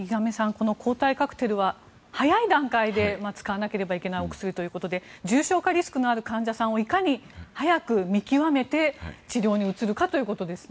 この抗体カクテルは早い段階で使わなければいけないお薬ということで重症化リスクの高い患者さんをいかに早く見極めて治療に移るかということですね。